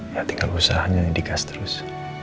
ya tinggal usahanya indikas terus